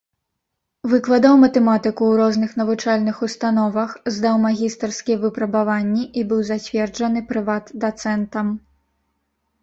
Выкладаў матэматыку ў розных навучальных установах, здаў магістарскія выпрабаванні і быў зацверджаны прыват-дацэнтам.